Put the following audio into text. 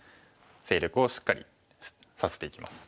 勢力をしっかりさせていきます。